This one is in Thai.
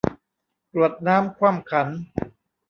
กรวดน้ำคว่ำขัน